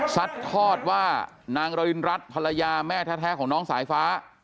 ทอดว่านางระรินรัฐภรรยาแม่แท้ของน้องสายฟ้า